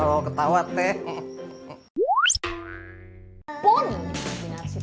lalu apa pengigkeiten denganfc wijdeqer itu mas judi